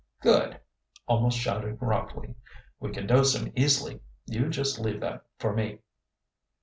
"Good!" almost shouted Rockley. "We can dose him easily. You just leave that for me."